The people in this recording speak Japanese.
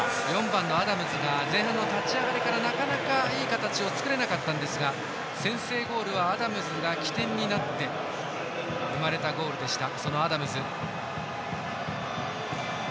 ４番のアダムズが前半の立ち上がりからなかなかいい形を作れなかったんですが先制ゴールはアダムズが起点になって生まれたゴールでした。